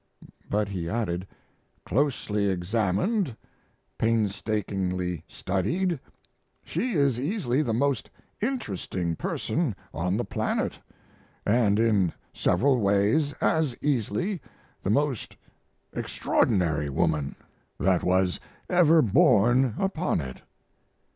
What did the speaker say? [But he added]: Closely examined, painstakingly studied, she is easily the most interesting person on the planet, and in several ways as easily the most extraordinary woman that was ever born upon it.